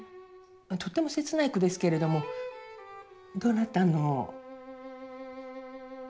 とっても切ない句ですけれどもどなたの？